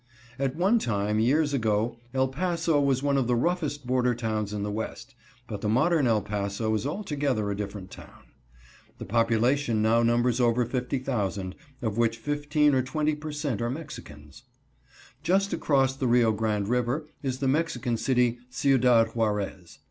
At one time, years ago, El Paso was one of the roughest border towns in the West, but the modern El Paso is altogether a different town. The population now numbers over 50,000, of which 15 or 20 per cent are Mexicans. Just across the Rio Grande River is the Mexican city, Ciudad Juarez.